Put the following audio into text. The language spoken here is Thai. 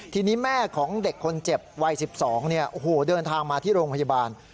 ทีนี้แม่ของเด็กคนเจ็บวัย๑๒เดินทางมาที่โรงพยาบาล